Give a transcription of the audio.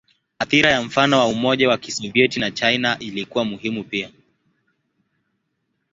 Athira ya mfano wa Umoja wa Kisovyeti na China ilikuwa muhimu pia.